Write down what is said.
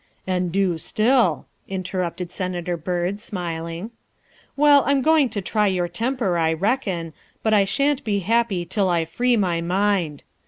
"And do still," interrupted Senator Byrd, smiling. '' Well, I 'm going to try your temper, I reckon, but I sha'n't be happy till I free my mind.